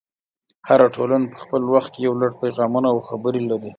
هره ټولنه په خپل وخت کې یو لړ پیغامونه او خبرې لري.